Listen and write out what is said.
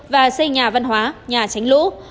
và xây nhà văn hóa nhà tránh lũ